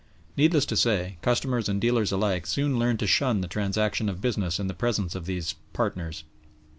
Needless to say, customers and dealers alike soon learned to shun the transaction of business in the presence of these "partners."